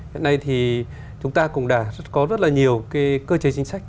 hiện nay thì chúng ta cũng đã có rất là nhiều cái cơ chế chính sách